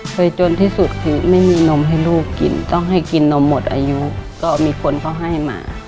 จนที่สุดคือไม่มีนมให้ลูกกินต้องให้กินนมหมดอายุก็มีคนเขาให้มา